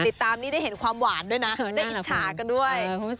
ติดตามนี้ได้เห็นความหวานด้วยนะได้อิจฉากันด้วย